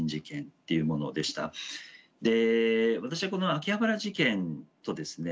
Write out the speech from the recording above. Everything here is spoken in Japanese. で私はこの秋葉原事件とですね